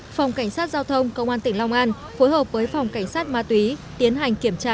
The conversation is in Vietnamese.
phòng cảnh sát giao thông công an tỉnh long an phối hợp với phòng cảnh sát ma túy tiến hành kiểm tra